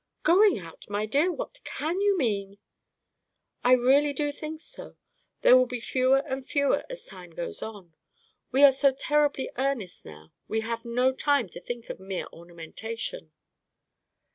"Going out, my dear! What can you mean?" "I really do think so; there will be fewer and fewer as time goes on. We are so terribly earnest now, we have no time to think of mere ornamentation."